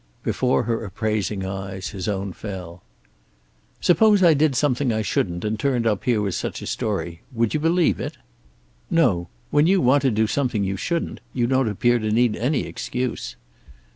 Before her appraising eyes his own fell. "Suppose I did something I shouldn't and turned up here with such a story, would you believe it?" "No. When you want to do something you shouldn't you don't appear to need any excuse."